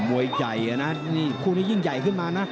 มวยใหญ่นะนี่คู่นี้ยิ่งใหญ่ขึ้นมานะ